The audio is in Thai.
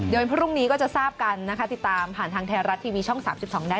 โดยพรุ่งนี้ก็จะทราบกันนะคะติดตามผ่านทางไทยรัฐทีวีช่อง๓๒ได้